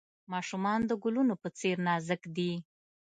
ماشومان د ګلونو په څیر نازک دي.